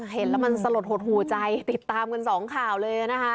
เห็นแล้วมันสลดหดหูใจติดตามกันสองข่าวเลยนะคะ